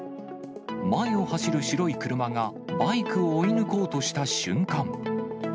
前を走る白い車が、バイクを追い抜こうとした瞬間。